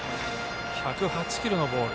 １０８キロのボール。